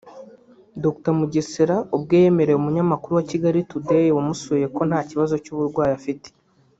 Dr Mugesera ubwe yemereye umunyamakuru wa Kigali Today wamusuye ko nta kibazo cy’uburwayi afite